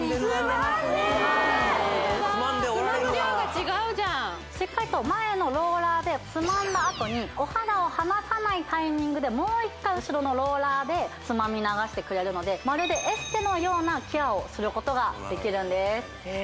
ホントだつまむ量が違うじゃんしっかりと前のローラーでつまんだあとにお肌を離さないタイミングでもう一回後ろのローラーでつまみ流してくれるのでまるでエステのようなケアをすることができるんです